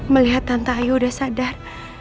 melihat tante ayu udah sadar